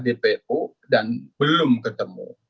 dpo dan belum ketemu